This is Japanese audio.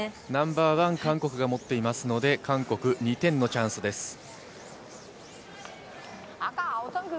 ナンバーワン、韓国が持っていますので、韓国、２点のチャンスです。